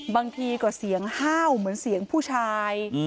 บางทีก็เสียงห้าวเหมือนเสียงผู้ชาย